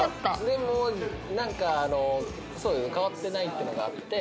でもなんかそうですね変わってないっていうのがあって。